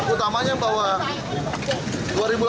utamanya bahwa dua ribu delapan belas akan ada si game ya